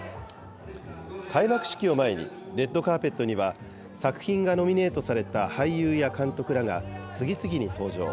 開幕式を前に、レッドカーペットには作品がノミネートされた俳優や監督らが次々に登場。